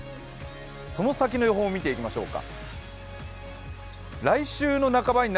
その先の予報を見ていきましょう。